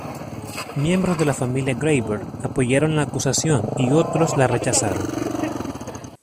Miembros de la familia Graiver apoyaron la acusación y otros la rechazaron.